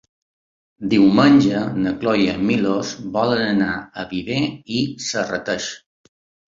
Diumenge na Cloè i en Milos volen anar a Viver i Serrateix.